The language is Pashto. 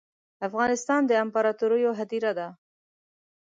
افغانستان ده امپراتوریو هدیره ده